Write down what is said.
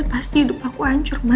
pasti hidup aku hancur mbak